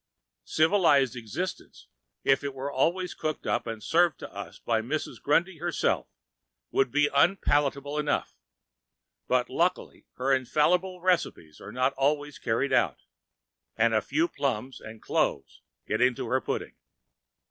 Civilized existence, if it were always cooked up and served to us by Mrs. Grundy herself, would be unpalatable enough; but luckily her infallible recipes are not always carried out, and a few plums and cloves get into her pudding.